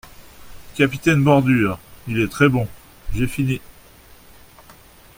Capitaine Bordure Il est très bon, j’ai fini.